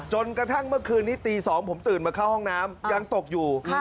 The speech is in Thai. จนกระทั่งเมื่อคืนนี้ตี๒ผมตื่นมาเข้าห้องน้ำยังตกอยู่